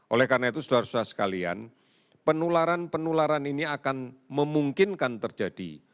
oleh karena itu saudara saudara sekalian penularan penularan ini akan memungkinkan terjadi